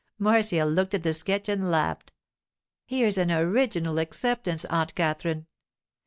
Marcia looked at the sketch and laughed. 'Here's an original acceptance, Aunt Katherine.